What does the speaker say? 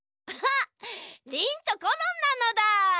リンとコロンなのだ。